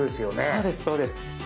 そうですそうです。